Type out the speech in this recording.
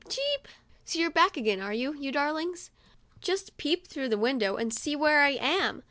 Cheep !"" So you re back again, are you, you darlings? Just peep through the window, and see where I am